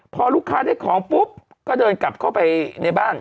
พอลูกค้าได้ของปุ๊บก็เดินกลับเข้าไปในบ้าน